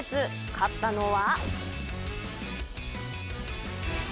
勝ったのは。